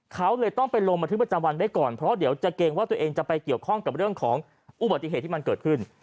เขาเลยต้องไปลงบันทึกประจำวันไว้ก่อนเพราะเดี๋ยวจะเกรงว่าตัวเองจะไปเกี่ยวข้องกับเรื่องของอุบัติเหตุที่มันเกิดขึ้น